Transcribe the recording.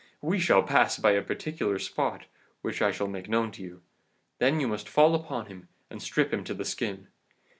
'We shall pass by a particular spot which I shall make known to you. Then you must fall upon him and strip him to the skin.